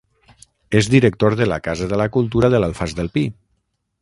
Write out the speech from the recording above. És director de la Casa de la Cultura de l'Alfàs del Pi.